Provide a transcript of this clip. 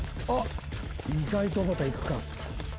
意外とおばた行くか。